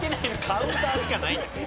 カウンターしかない。